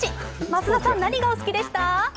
増田さん、何がお好きでした？